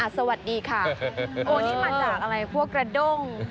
สวัสดีค่ะโอ้นี่มาจากอะไรพวกกระด้ง